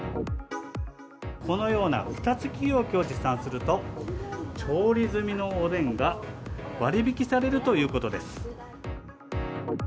このようなふた付き容器を持参すると調理済みのおでんが割引されるということです。